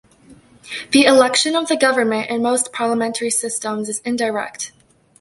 The election of the government in most parliamentary systems is indirect.